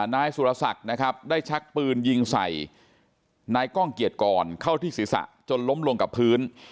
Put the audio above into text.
นายสุรษักษ์ได้ชักปืนยิงใส่นายก้องเกียรติกรเข้าที่ศิษะจนล้มลงกับพื้น